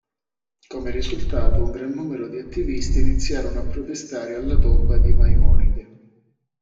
Come risultato, un gran numero di attivisti iniziarono a protestare alla tomba di Maimonide.